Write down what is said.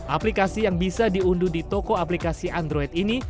aplikasi yang bisa diunduh di toko aplikasi android ini